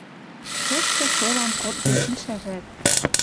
Тошты солан кодде кишӓжӓт.